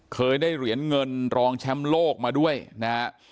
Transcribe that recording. เคยได้เหรียญเงินรองแชมป์โลกมาด้วยนะฮะ